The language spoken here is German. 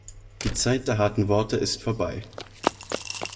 Die Zeit der harten Worte ist vorbei.